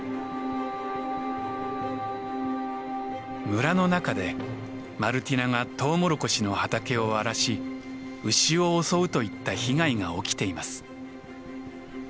村の中でマルティナがトウモロコシの畑を荒らし牛を襲うといった被害が起きています。